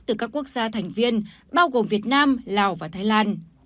từ các quốc gia thành viên bao gồm việt nam lào và thái lan